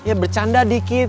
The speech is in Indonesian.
ya bercanda dikit